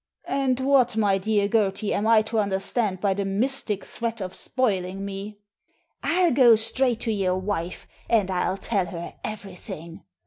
And what, my dear Gertie, am I to understand by the mystic threat of spoiling me?" "I'll go straight to your wife, and I'll tell her everything."